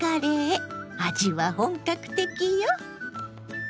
味は本格的よ！